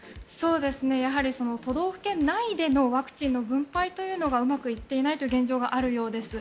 やはり都道府県内でのワクチンの分配というのがうまくいっていないという現状があるようです。